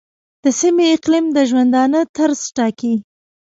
د سیمې اقلیم د ژوندانه طرز ټاکي.